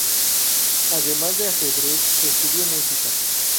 Además de Ajedrez, estudió música.